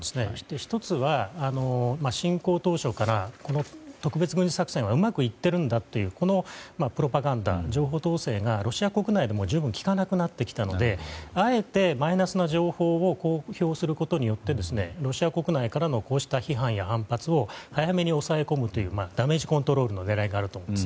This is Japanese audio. １つは、侵攻当初からこの特別軍事作戦はうまくいっているんだというこのプロパガンダ、情報統制がロシア国内でも十分効かなくなってきたと思うのであえて、マイナスの情報を公表することによってロシア国内からのこうした批判や反発を早めに抑え込むダメージコントロールの狙いがあると思います。